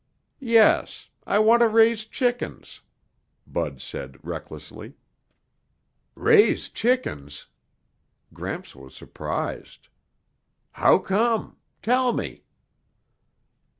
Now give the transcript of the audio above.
"Yes. I want to raise chickens," Bud said recklessly. "Raise chickens!" Gramps was surprised. "How come? Tell me."